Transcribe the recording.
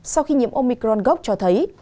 sau khi nhiễm omicron gốc cho thấy